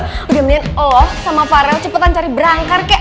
udah mendingan oh sama farel cepetan cari berangkar kek